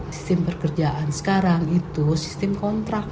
sistem pekerjaan sekarang itu sistem kontrak